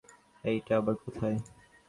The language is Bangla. এইটা আবার কোথায়?